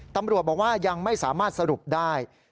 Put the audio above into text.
ตำรวจบอกว่ายังไม่สามารถสรุปได้